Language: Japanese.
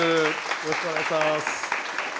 よろしくお願いします。